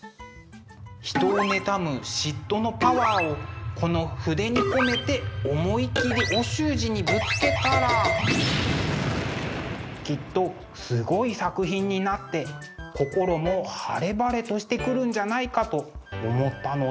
人を妬む嫉妬のパワーをこの筆に込めて思い切りお習字にぶつけたらきっとすごい作品になって心も晴れ晴れとしてくるんじゃないかと思ったのです。